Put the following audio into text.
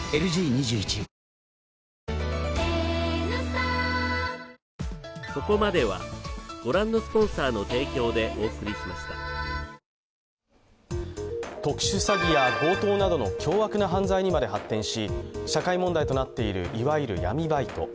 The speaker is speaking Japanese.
２１特殊詐欺や強盗などの凶悪な犯罪にまで発展し社会問題となっている、いわゆる闇バイト。